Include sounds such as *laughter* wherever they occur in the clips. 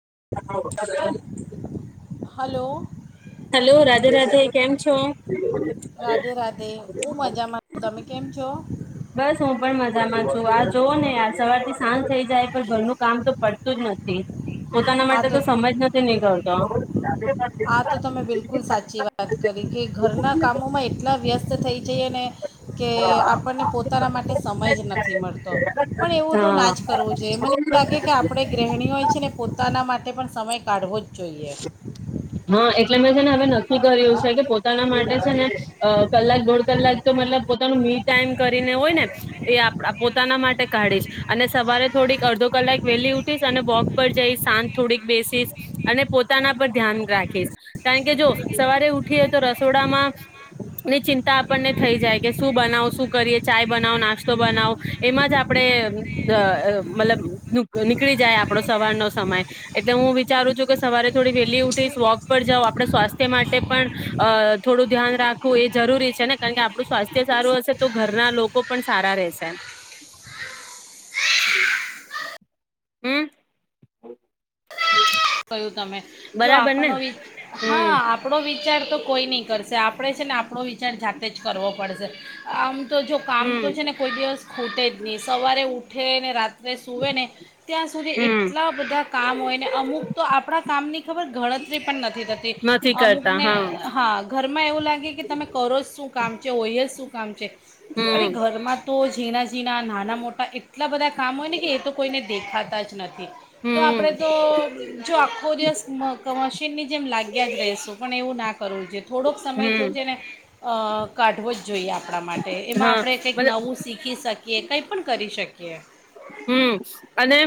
છા *unintelligible* *inaudible* છો? હલો રાધે રાધે કેમ છો? રાધે રાધે હું મજામાં તમે કેમ છો? બસ હું પણ મજામાં છું આ જોવો ને યાર સવારથી સાંજ થઈ જાય પણ ઘરનું કામ તો પડતું જ નથી પોતાના માટે તો સમય જ નથી નીકળતો. આ તો તમે બિલકુલ સાચી વાત કરી કે ઘરના કામોમાં એટલા વ્યસ્ત જો થઈ જઈને કે આપણને પોતાના માટે સમય જ નથી મળતો પણ એવું તો હા ના જ કરવું જોઈએ. મને એવું લાગે કે આપણે ગ્રહેણીઓ છેને પોતાના માટે પણ સમય કાઢવો જ જોઈએ હા એટલે મેં છે ને હવે નક્કી કર્યું છે કે પોતાના માટે છે ને અ કલાક દોઢ કલાક તો મતલબ પોતાનું મીડ ટાઈમ કરીને હોય ને એ આપડા આ પોતાના માટે કાઢીશ અને સવારે થોડીક અડધો કલાક વહેલી ઉઠીશ અને વોક પર જઈ સાંત થોડીક બેસીસ અને પોતાના પર ધ્યાન રાખીશ કારણ કે જો સવારે ઉઠીએ તો રસોડામાં ની ચિંતા આપણને થઈ જાય કે શું બનાવો શું કરીએ ચાય બનાવો નાસ્તો બનાવો એમાં જ આપણે અ મતલબ નું નીકળી જાય આપડો સવારનો સમય એટલે હું વિચારું છું કે સવારે થોડી વહેલી ઉઠ- ટેસ વોક પર જઓ આપણે સ્વાસ્થ્ય માટે પણ અ થોડું ધ્યાન રાખવું એ જરૂરી છે ને કારણ કે આપણું સ્વાસ્થ્ય સારું હશે તો ઘરના લોકો પણ સારા રહેશે હમ કહ્યું તમે જો બરાબર ને આપણો હા હમ આપણો વિચાર તો કોઈ ની કરશે, આપણે છે ને આપણો વિચાર જાતે જ કરવો પડશે, આમ તો જો કામ તો હમ છે ને કોઈ દિવસ ખૂટે જ ની, સવારે ઉઠ ઠે ને રાત ત્રે સૂવે ને ત્યાં સુધી હમ એટલા બધા કામ હોયને, અમુક આપણા કામની ખબર ગણતરી પણ નથી થતી, નથી અમુક કરતા ને હા હા ઘરમાં એવું લાગે કે તમે કરો શું *unintelligible* હોય જ સુ કામ છે. અરે હમ ઘરમાં તો જ ઝીણા-ઝીણા, નાના મોટા એટલા બધા કામ હોય ને કે એ તો કોઈને દેખાતા જ ન થી, તો આપણે હમ તો ખો દિવસ મ ક મશીનની જેમ લાગ્યા જ રેસું પણ એવું ના કરવું જોઈએ, થોડોક સમય તો હમ જે ને અહ. કાઢવો જ જોઈએ આપણા માટે. એમાં હા આપણે કંઈક મતલબ નવું શીખી શકીએ કંઈ પણ કરી શકીએ. કે હમ અને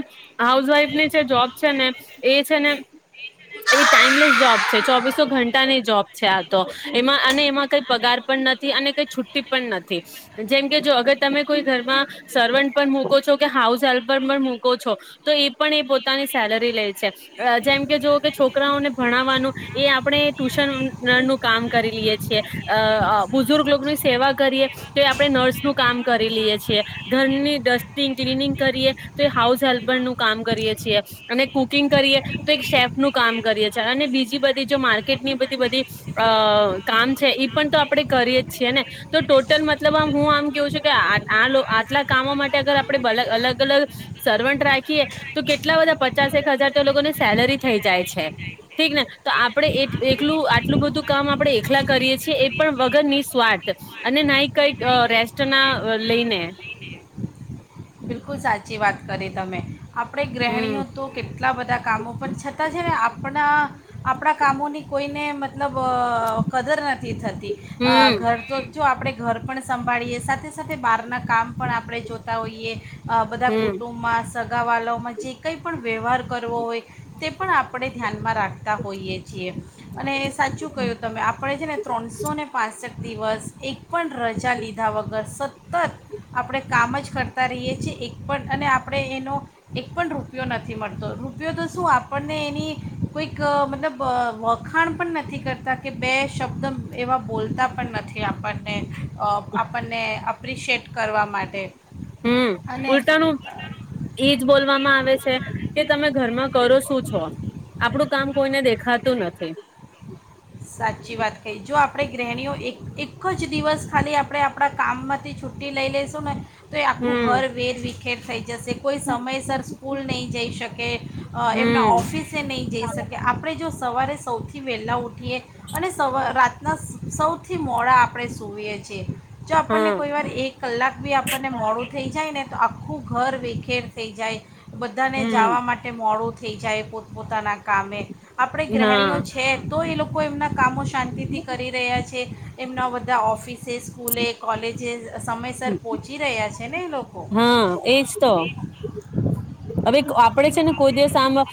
હાઉસવાઈફ ની જે જોબ છે ને એ છે ને એ ટાઈમલેસ જોબ છે. ચોવીસો ઘંટાની જોબ છે આ તો. એમાં અને એમાં કઈ પગાર પણ નથી અને કઈ છુટ્ટી પણ નથી. જેમ કે જો અગર તમે કોઈ ઘરમાં સર્વન્ટ પણ મકો છો તો હાઉસ હેલ્પર પણ મૂકો છો. તો એ પણ એ પોતાની સેલરી લે છે. અહ જેમ કે જોઓ કે છોક છોકરાઓને ભણાવવાનું એ આપણે ટ્યુશન ના નું કામ કરી લઈએ છીએ. અ અહ બુઝુર્ગ લોગની સેવા કરીએ તો એ આપણે નર્સ નું કામ કરી લઈએ છીએ. ધરની ડસ ટિંગ ક્લનિંગ કરીએ તો એક હાઉસ હેલ્પર નું કામ કરીએ છીએ. અને કુકિંગ કરીએ તો એક શેફ નું કામ કરીએ છે. અને બીજી બધી જો માર્કેટની બધી બધી અહ કામ છે ઈ પણ તો આપડે કરીએ જ છીએ ને. તો ટોટલ મતલબ આમ હું આમ કેવું છું કે આ આ લોક આટલા કામો માટે અગર આપ પડે બ અલગ અલગ સર્વન્ટ રાખીએ તો કેટલા બધા પચાસ એક હજાર તો લોકોની સેલરી થઈ જાય છે, ઠીક ને. તો આપણેલું આટલું બધું કામ આપણે એકલા કરીએ છીએ એ પણ વગર નિ સ્વાર્થ અને ના કંઈ અહ રેસ્ટના અહ લઈને. બિલકુલ સાચી વાત કરી તમે. આપણે હમ ગ્રહણીઓ તો કેટ આટલા બધા કામો પણ છતાં છે ને આપણા આપણા કામોની કોઈને મ મતલબ અ કદર નથી થતી હમ ઘર તો જો આપણે. ઘર પણ સંભાળીએ સાથે સાથે બહાર ના કામ પણ આપણે જોતા હોઈએ. અ બધા હમ કુટુંબમાં. સગાવાલાઓમાં જે કંઈ પણ વ્યવહાર કરવો હોય તે પણ આપણે ધ્યાનમાં રાખતા હોઈએ છીએ. અને સાચું કય્યું તમે આપણેે છે ને ત્રણસો ને પાસઠ દિવસ એક પણ રજા લીધા વગર સતત આપણે કામ જ કરતા રહીએ છીએ. એક પણ અને આપણે એનો એક પણ રૂપિયો નથી મળતો રૂપિયો તો શું આપણને એની કોઈક મતલબ વખાણ પણ નથી કરતા કે બે શબ્દ એવા બોલતા પણ નથી આપણને આપણને અપ્રિશિએટ કરવા માટે. હમ્મ અને ઉલટાનું એજ બોલવામાં આવે છે કે તમે ઘરમાં કરો શું છો આપડું કામ કોઈને દેખ ખાતું નથી. સાચી વાત કહી જો આપણે ગ્રહણીઓ એક એક જ દિવસ ખાલી આપણે આપણા કામમાંથી છુટ્ટી લઈ લેશું ને તો એ આખું હમ ઘર વેર વી ખેર થઈ. જશે કોઈ સમયસર સ્કૂલ નહીં જઈ શકે એમના હમ ઓફિસે નહીં જઈ શકે આપણે જો. સવારે સૌથી વહેલા ઉઠીએ. અને સવા રા. ના સૌથી મોડા આપણે સૂઈએ છીએ. જો આપણને હા કોઈ વાર એક કલાક બી આપણને મોડું થઈ જાય ને તો. આખું ઘર વેખેર થઈ જાય. બધાને હમ જવા માટે મોડું. થ જાયએ પો પોતાના કામે આપણે ગ્રહણીઓ હા છે તો એ લો કોઈમ ના. કામો શાંતિથી કરી રહ્યા છે એમના. ત્યા ઓફ ઓફિસ એ સ્કુલે કોલેજે. સમયસર પહોંચી રહ્યા છે. ને એ લોકો હા એજ તો. હવે ક આપડે છે ને કોઈ દિવસ આમ અ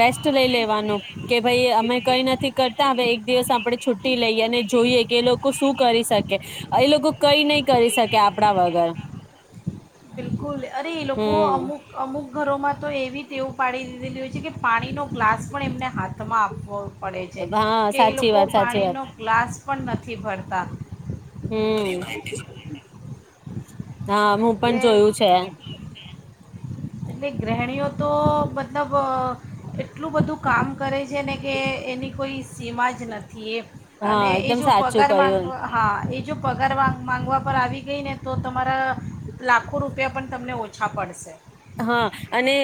રેસ્ટ લઈ લેવાનું કે ભઈ અમે કઈ નથી કરતા હવે એક દિવસ આપણે છુટ્ટી લઈએ અને જોઈએ કે એ લોકો શું કરી શકે એ લોકો કઈ નહી કરી શકે આપણા વગર. બિલકુલ અરે એ લોકો હમ અમુક-અમુક ઘરોમાં તો એવી તેવું પાડી દીધેલીું હોય છે કે પાણીનો ગ્લાસ પણ એમને હાથમાં આપવો પડે છે. હા કે એ સાચી લોકો વાત સાચી વાત પાણીનો ગ્લાસ પણ નથી ભરતા. હમ્મ. હા હું પણ એટલે જોયું છે. એટલે ગ્રહણીઓ તો મતલબ અહ એટલું બધું કામ કરે છે ને કે એની કોઈ સીમા જ નથ થી હા અને એ એકદમ જો સાચું પગાર કહ્યું માંગવા હા એ જો પગાર વાંગ માંગવા પર આવી ગઈ ને તો તમારા લાખો રૂપિયા પણ તમને ઓછા પડશે. હા અને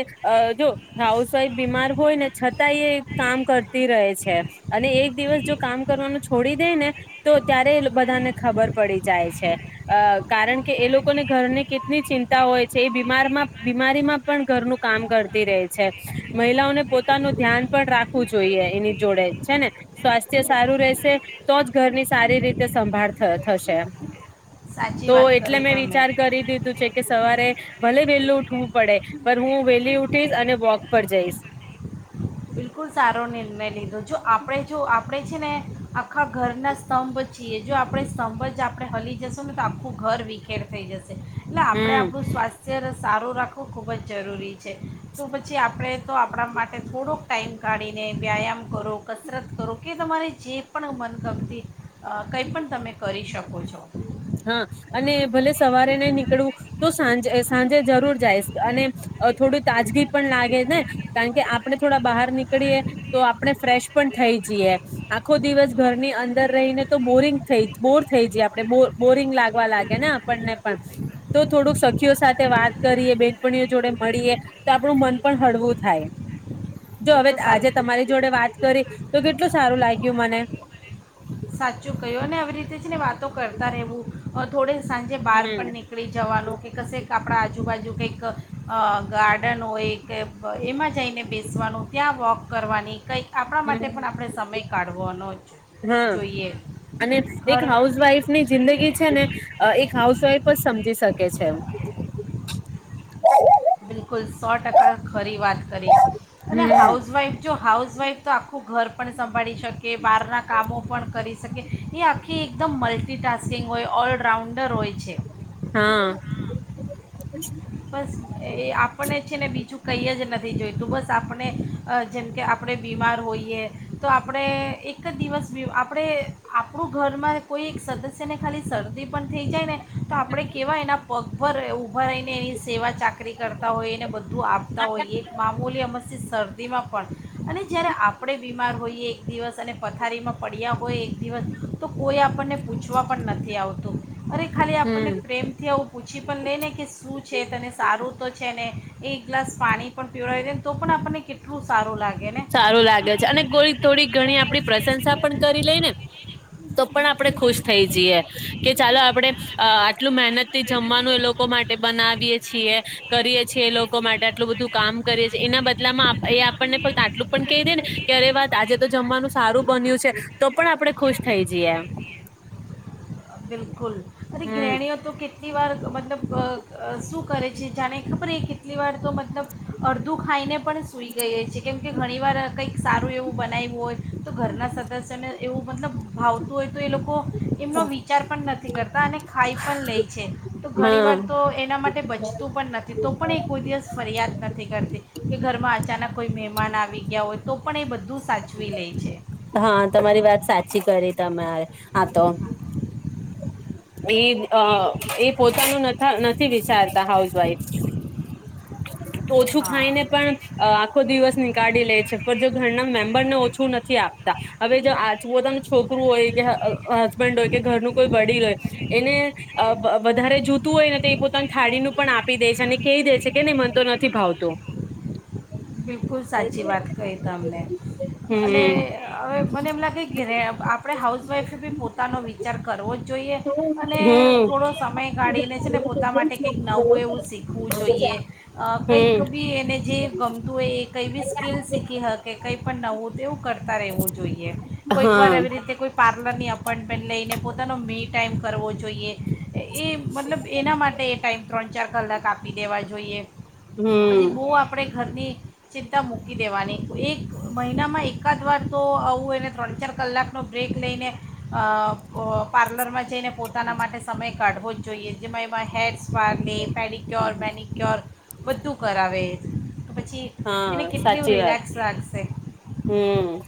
જો હાઉસવાઈફ બીમાર હોય ને છ તા કામ કરતી રહે છે. અને એક દિવસ જો કામ કરવાનું છોડી દે ને તો ત્યારે બધાને ખબર પડી જાય છે અ. કારણ કે એ લોકોને ઘરને કેટલી ચિં તા હોય છે એ બીમારમાં બીમારીમાં પણ ઘરનું કામ કરતી રહે છે મહિલાઓને પોતાનું ધ્યાન પણ રાખવું જોઈએ એની જોડે છે ને. સ્વાસ્થ્ય સારું રહેશે તો જ ઘરની સારી રી તે સંભાળ થ થશે. સાચી તો વાત એટલે કરી મેં તમે વિચાર કરી દીધું છે કે સવારે ભલે વેલું ઉઠવું પડે પણ હું વેલી ઉઠીશ અને વોક પર જઈશ. બિલકુલ સારો નિર્ણય લીધો જો આપણે જો આપણે છે ને આખા ઘરના સ્તંભ છીએ જો આપણે સ્તંભ જ આપણે હલી જશું ને તો આખું ઘર વિખેર થઈ જ શે એટલે આપડે હમ આપણું સ્વાસ્થ્ય. સારું રાખવું ખૂબ જ જરૂરી છે, તો પછી આપણે તો આપણા માટે થોડુંક. ટાઈમ કાઢીને વ્યાયામ કરો, કસરત કરો, કે તમારે જે પણ મન ગમતી. અ કંઈ પણ તમે કરી શ બોલ જો. હા અને ભલે સવારે નઈ નીકળવું તો સાં સાંજે જરૂર જાય અને થોડી તાજગી પણ લાગે ને, કારણ કે આપણે થોડા બહાર નીકળીએ તો આપણે ફ્રેશ પણ થઈ જઈએ આખો દિવસ ઘરની અંદર રહીને તો બોરિંગ થઈ બોર થઈ જઈએ આપણે બોર. બોરિંગ લાગવા લાગે ને આપણને પણ તો થોડુંક સખીઓ સાથે વાત કરીએ બેનપણીઓ જોડે મળીએ તો આપણું મન પણ હળવું થાય. જો એ હવે તો સાચું આજે તમારી જોડે વાત કરી તો કેટલું સારું લાગ્યું મને. સાચું કયો આવી રીતે જ ને વાતો કરતા રહેવું થોડે. સાંજે બહાર હમ પણ નીકળી જવાનું કે કશેક આપડા આજુ. આજુ-બાજુ કઈક ગાર્ડન હોય કે એમાં જઈ ને બેસવાનું ત્યાં વો. કરવાની કંઈક. આપણા માટે હમ. પણ આપણે સમય કાઢવાનો જ. હ જોઈએ અને એક ઘર હાઉસવાઈફ ની જિંદગી છે ને એક હાઉસવાઈફ જ સમજી શકે. કે છે. બિલકુલ સો ટકા. ફરી વાત કરી અને હમ. હાઉસવાઇફ જો હાઉસવાઇફ તો આખું ઘર પણ સંભાળી શ કે બહારના કામો પણ કરી શકે એ આખી એકદમ મલ્ટિટાસ્કિંગ હોય ઓલરાઉન્ડર હોય છે. હા. બસ એ આપણને છે ને બીજું કંઈ જ નથી જોઈતું, બસ આપણે જેમ કે આપણે બીમાર હોઈએ તો આપણે એક જ દિવસ આપણે આપણું ઘરમાં કોઈ એક સદસ્યને ખાલી શરદી પણ થઈ જાય ને તો આપણે કેવાય એના પગભર ઊભા રહીને સેવા ચાકરી કરતા હોય એને બધું આપતા હોઈએ એક મામૂલી અમસી સર દીમાં પણ. અને જય્યારે આપણે બીમાર હોઈએ એક દિવસ અને પથારીમાં પડ્યા હોય એક દિવસ તો કોઈ આપણને પૂછવા પણ નથી આવતું. અરે ખાલી આપણને હમ પ્રેમ થી આવું પૂછી પણ લે ને કે શું સારું તો છે ને એક ગ્લાસ પાણી પણ પીડાવી દે ને તો પણ આપણને કેટલું સારું લાગ સારું લાગે છે અને કોઈ થોડી ઘણી આપડી પ્રશંસા પણ કરી લઈ ને તો પણ આપડણે ખુશ થઈ જઈએ. કે ચાલો આપડણે આહ આટલું મહેનત થી જમવાનું એ લોકો માટે બનાવીએ છીએ. કરીએ છીએ એ લોકો માટે આટલું બધું કામ કરીએ છીએ એના બદલામાં આપ એ આપણને કોઈ કા એટલું પણ કહી દે ને કે અરે વાત આજે તો જમવાનું સારું બન્યું છે. તો પણ આપણે ખુશ થઈ જઈએ. બિલકુલ અને હમ ગ્રેહણીઓ તો કેટલી વાર મતલબ અહ અહ શું કરે છે જાણે ખબર કેટલી વાર તો મતલબ અડધું ખાઈને પણ સુઈ ગઈએ કેમ કે ઘણી વાર કઈક સારું એવું બનાઈ હોય તો ઘરના સદસ્યને એવું મતલબ ભાવતું હોય તો એ લોકો એમનો વી કેર પણ નથી કરતા અને ખાઈ પણ લે છે, તો ઘણી હા વાર તો એના માટે બચતું પણ નથી તો પણ એ કોઈ દિવસ ફરિયાદ નથી કરતી કે ઘરમાં. અચાનક કોઈ મહેમાન આવી ગયા હોય તો પણ એ બધું સાચવી લે છે હા તમારી વાત સાચી. કરી તમારે આા તો. એ અ એ પોતાનું નથ થી વિચારતા હાઉસવાઈફ. ઓછું હા ખાઈને પણ આખો દિવસ નીકાળી લે છે પણ જો ઘરના મેમ્બરને છું નથી આપતા હવે આજ પોતાનું છોકરું હોય કે હસબન્ડ હોય કે ઘરનું કોઈ વડીલ હોય. એને વધારે જોતું હોય ને તો એ પોતાની થાળીનું પણ આપી દે છે અને કહી દે છે કે નને મન તો નથી ભાવતું. બિલકુલ સાચી વાત કહી તમને અને હમ હવે મને એમ લાગે કે ર આપણે હાઉસવાઈફે બી પોતાનો વિચાર કરવો જ જોઈ જોઈએ અને હમ થોડો સમય કાઢીને છે ને પોતા માટે કંઈક નવું એવું શીખવું જોઈએ કંઈક હમ બી એને જે. ગમતું એ કઈ બી સ્કીલ શીખી હ કઈ પણ નવું તો એવું કર વું જોઈએ કોઈક વાર હા એવી રીતે કોઈ રની અપોઈન્ટમેન્ટ લઈને પોતાનો મે ટાઈમ કરવો જોઈએ. એ મતલબ એના માટે એ ટાઈમ ચાર કલાક આપી દેવા જોઈએ. હમ પછી બો આપડે. ઘરની ચિંતા મૂકી દેવાની, એક મહિનામાં એકાદ વાર તો આવું એને ત્રણ ચાર કલાકનો બ્રેક લઈને અ પાર્લરમાં. જઈને પોતાના માટે સમય કાઢવો. જોઈએ. જેમાં એમાં હેડસ્પાને, પેડિક્યોર, મેડિક્યો્યોર. બધું કરાવે. તો એને હા કેટલું સાચી વાત રિલેક્સ રાખશે. હમ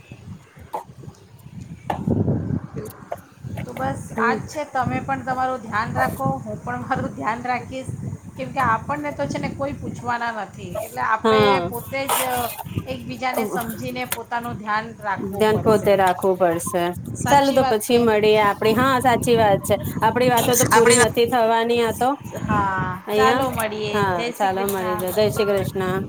તો બસ હમ આજ છે તમે પણ. તમારું ધ્યાન રાખો હું પણ મારું ધ્યાન રાખીશ કેમકે આપણને તો છે ને કોઈ પૂછ વાના નથી એટલે આપણે હા પોતે જ એકબીજાને સમજીને પોતાનું ધ્યાન રાખવું ધ્યાન પોતે પડશે. રાખવું પડશે ચાલો સાચી તો વાત પછી કે મળીએ આપડી હા સાચી વાત છે આપડી વાતો તો પૂરી નથી થવાની આ તો હા અહં ચાલો મળીએ હા જય શ્રી ચાલો કૃષ્ણ મળી જ જઈ શ્રી કૃષ્ણ.